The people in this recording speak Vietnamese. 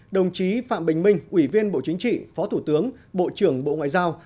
đồng chí phạm bình minh ủy viên bộ chính trị phó thủ tướng bộ trưởng bộ ngoại giao